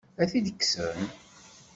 Ad t-id-kksen?